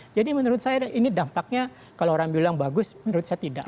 jadi menurut saya ini dampaknya kalau orang bilang bagus menurut saya tidak